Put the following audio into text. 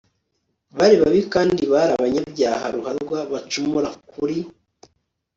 bari babi kandi bari abanyabyaha ruharwa bacumura kuri